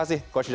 a sampai z